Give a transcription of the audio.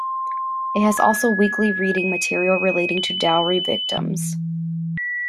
It has also weekly reading material relating to dowry victims.